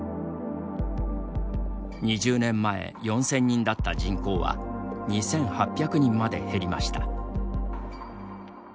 ２０年前４０００人だった人口は２８００人まで減りました。